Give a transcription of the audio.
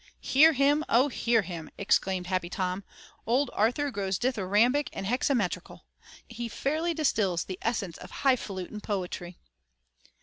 "Hear him! O, hear him!" exclaimed Happy Tom. "Old Arthur grows dithyrambic and hexametrical. He fairly distills the essence of highfalutin poetry."